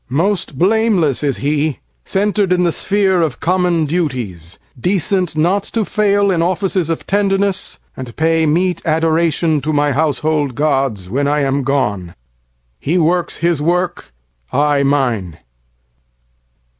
Most blameless is he, centred in the sphereOf common duties, decent not to failIn offices of tenderness, and payMeet adoration to my household gods, When I am gone. He works his work, I mine.